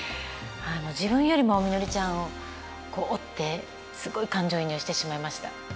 自分よりもみのりちゃんを追ってすごい感情移入してしまいました。